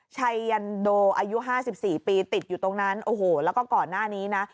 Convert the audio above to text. ชัยยันโดอายุ๕๔ปีติดอยู่ตรงนั้นโอ้โหแล้วก็ก่อนหน้านี้นะ